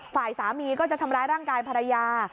ฝ่ายสามีก็จะทำร้ายร่างกายภรรยา